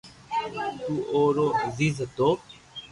جي اوُ رو عزيز ھتو